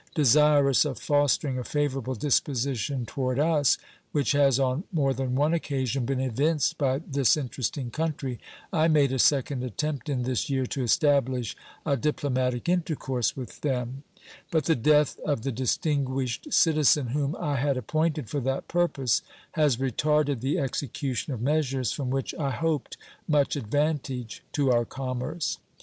Desirous of fostering a favorable disposition toward us, which has on more than one occasion been evinced by this interesting country, I made a second attempt in this year to establish a diplomatic intercourse with them; but the death of the distinguished citizen whom I had appointed for that purpose has retarded the execution of measures from which I hoped much advantage to our commerce.